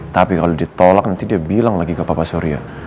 tapi kalau ditolak nanti dia bilang lagi ke bapak surya